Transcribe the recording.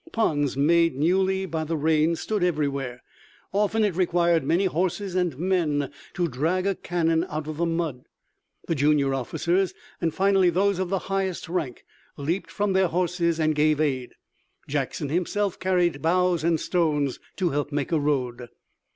Ponds made newly by the rains stood everywhere. Often it required many horses and men to drag a cannon out of the mud. The junior officers, and finally those of the highest rank, leaped from their horses and gave aid. Jackson himself carried boughs and stones to help make a road.